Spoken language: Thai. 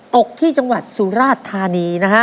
ตกที่จังหวัดสุราชธานีนะฮะ